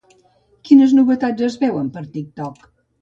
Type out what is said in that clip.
Quines novetats es veuen per TikTok?